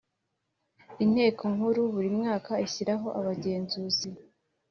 Inteko nkuru buri mwaka ishyiraho abagenzuzi